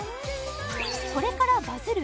これからバズる？